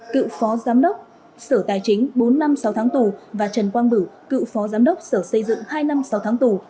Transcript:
cựu phó giám đốc sở tài chính bốn năm sáu tháng tù và trần quang bửu cựu phó giám đốc sở xây dựng hai năm sáu tháng tù